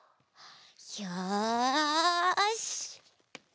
よし！